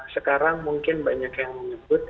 sekarang mungkin banyak yang menyebut